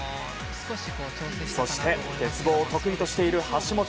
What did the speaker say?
そして鉄棒を得意としている橋本。